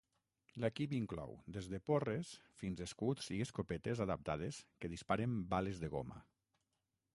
L'equip inclou des de porres fins escuts i escopetes adaptades que disparen bales de goma.